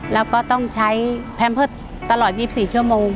แล้วก็ต้องใช้แพมเพิร์ตตลอด๒๔ชั่วโมง